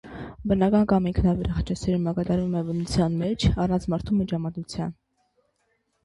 Բնական կամ ինքնաբեր խաչասերումը կատարվում է բնության մեջ՝ առանց մարդու միջամտության։